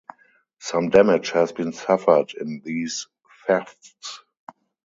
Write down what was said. Some damage has been suffered in these thefts.